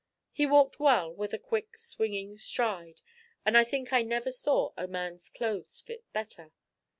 He walked well, with a quick, swinging stride, and I think I never saw a man's clothes fit better.